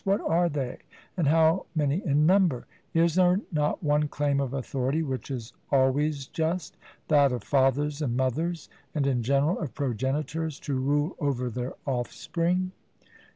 What are they, and how many in number? Is there not one claim of authority which is always just, that of fathers and mothers and in general of progenitors to rule over their offspring?